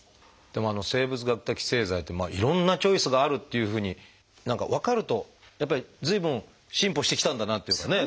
でも生物学的製剤っていろんなチョイスがあるっていうふうに何か分かるとやっぱり随分進歩してきたんだなっていうかね